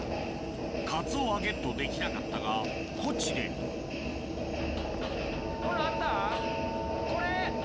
カツオはゲットできなかったがコチでこれ！